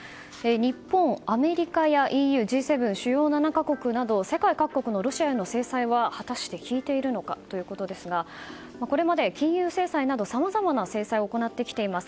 日本、アメリカやＥＵ、Ｇ７・主要７か国など制裁は果たして効いているのかということですがこれまで金融制裁などさまざまな制裁を行ってきています。